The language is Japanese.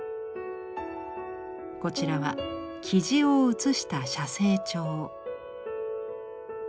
こちらはキジを写した「写生帖」。